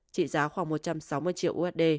trị giá khoảng một trăm sáu mươi triệu usd